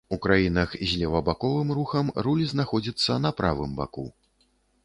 У краінах з левабаковым рухам руль знаходзіцца на правым баку.